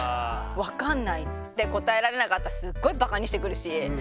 「分かんない」って答えられなかったらすごいバカにしてくるし。